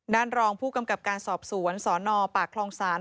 รองผู้กำกับการสอบสวนสนปากคลองศาล